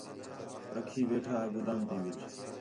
رکّھی ویٹھا ہا گُدام تی وِچ